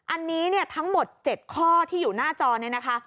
อันนี้ทั้งหมด๗ข้อที่อยู่หน้าจอนี้นะคะ